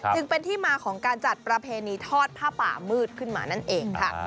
จึงเป็นที่มาของการจัดประเพณีทอดผ้าป่ามืดขึ้นมานั่นเองค่ะ